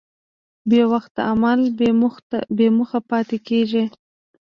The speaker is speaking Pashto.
بېوخته عمل بېموخه پاتې کېږي.